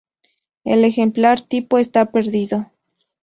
El ejemplar tipo está perdido.